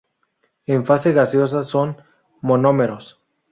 En fase gaseosa son monómeros.